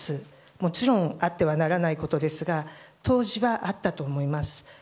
もちろんあってはならないことですが当時はあったと思います。